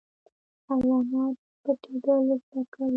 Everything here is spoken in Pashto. حیوانات پټیدل زده کوي